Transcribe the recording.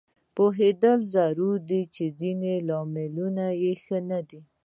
پوهېدل ضروري دي چې ځینې لاملونه ښه نه دي